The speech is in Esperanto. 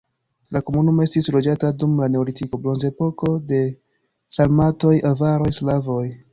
La komunumo estis loĝata dum la neolitiko, bronzepoko, de sarmatoj, avaroj, slavoj.